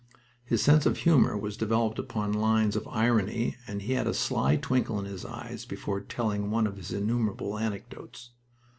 His sense of humor was developed upon lines of irony and he had a sly twinkle in his eyes before telling one of his innumerable anecdotes.